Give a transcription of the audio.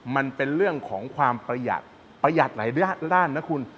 มันเป็นเรื่องของความประหยัดประหยัดหลายด้านนะคุณ